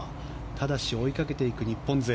ただし追いかけていく日本勢。